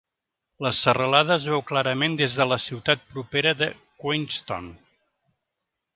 La serralada es veu clarament des de la ciutat propera de Queenstown.